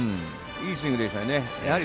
いいスイングでしたね。